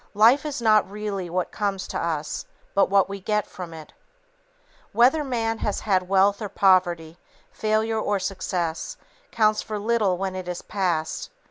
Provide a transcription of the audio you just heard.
Life is not really what comes to us, but what we get from it. Whether man has had wealth or poverty, failure or success, counts for little when it is past.